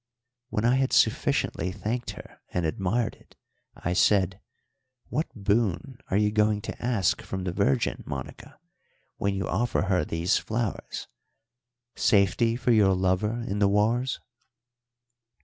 When I had sufficiently thanked her and admired it, I said, "What boon are you going to ask from the Virgin, Monica, when you offer her these flowers safety for your lover in the wars?"